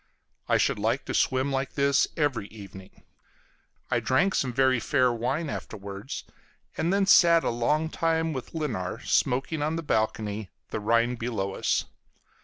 I should like to swim like this every evening. I drank some very fair wine afterwards, and then sat a long time with Lynar smoking on the balcony the Rhine below us.